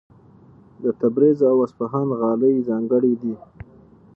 د تبریز او اصفهان غالۍ ځانګړې دي.